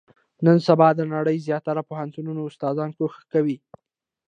نن سبا، د نړۍ د زیاتره پوهنتونو استادان، کوښښ کوي.